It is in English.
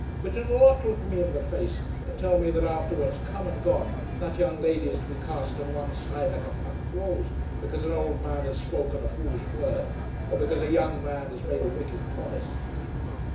But you'll not look me in the face and tell me that afther what's come and gone that young lady is to be cast on one side like a plucked rose, because an ould man has spoken a foolish word, or because a young man has made a wicked promise."